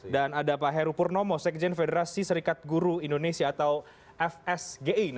dan ada pak heru purnomo sekjen federasi serikat guru indonesia atau fsgi